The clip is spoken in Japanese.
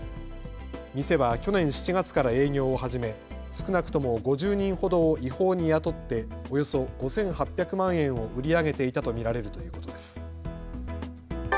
店は去年７月から営業を始め少なくとも５０人ほどを違法に雇っておよそ５８００万円を売り上げていたと見られるということです。